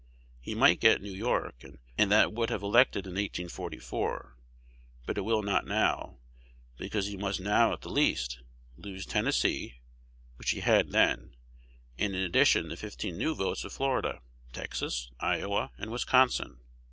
He might get New York; and that would have elected in 1844, but it will not now, because he must now, at the least, lose Tennessee, which he had then, and in addition the fifteen new votes of Florida, Texas, Iowa, and Wisconsin.